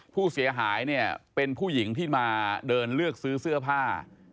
ผู้เสียหายเนี่ยเป็นผู้หญิงที่มาเดินเลือกซื้อเสื้อผ้า